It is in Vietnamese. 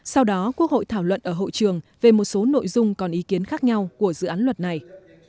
sau đó quốc hội thảo luận ở hội trường về một số nội dung còn ý kiến khác nhau của dự án luật này